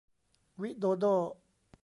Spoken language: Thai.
วิโดโด้